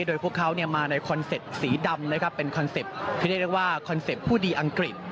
โดยพวกเขามาในคอนเซ็ปต์สีดำนะครับเป็นคอนเซ็ปต์ที่เรียกได้ว่าคอนเซ็ปต์ผู้ดีอังกฤษ